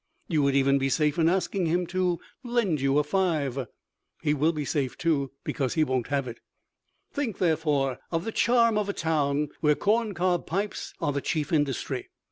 You would even be safe in asking him to lend you a five. He will be safe, too, because he won't have it. Think, therefore, of the charm of a town where corncob pipes are the chief industry.